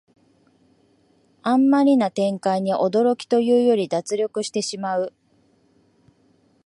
あんまりな展開に驚きというより脱力してしまう